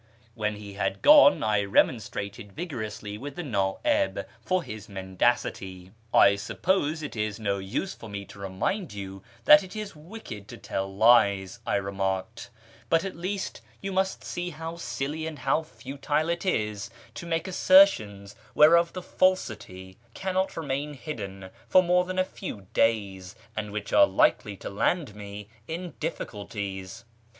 When he had gone I remonstrated vigorously with the Nti'ib for his mendacity. " I suppose it is no use for me to remind you that it is wicked to tell lies," I remarked, " but at least you must see how silly and how futile it is to make assertions whereof the falsity cannot remain hidden for more than a few days, and which are likely to land me in difficulties."